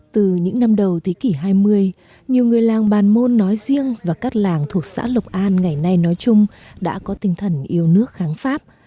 từ những năm đầu thế kỷ hai mươi nhiều người làng bàn môn nói riêng và các làng thuộc xã lộc an ngày nay nói chung đã có tinh thần yêu nước kháng pháp